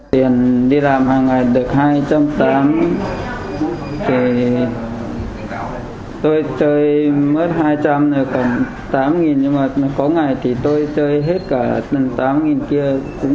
tiền đi làm hàng ngày được